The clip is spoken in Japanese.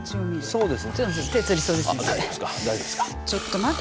そうです。